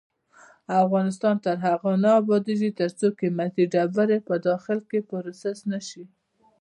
افغانستان تر هغو نه ابادیږي، ترڅو قیمتي ډبرې په داخل کې پروسس نشي.